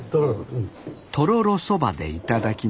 とろろそばでいただきます